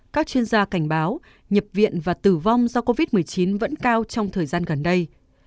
các chuyên gia cảnh báo nhập viện và tử vong do covid một mươi chín vẫn cao trong thời gian gần đây